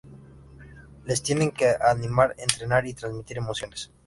Les tienen que animar, entretener y transmitir emociones.